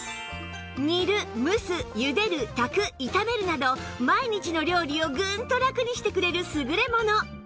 煮る蒸す茹でる炊く炒めるなど毎日の料理をグンとラクにしてくれる優れもの